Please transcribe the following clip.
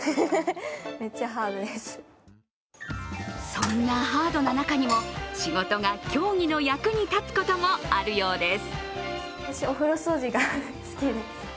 そんなハードな中にも、仕事が競技の役に立つこともあるようです。